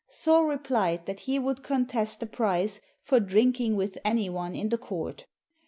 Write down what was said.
Thor replied that he would contest the prize for drinking with any one in the court.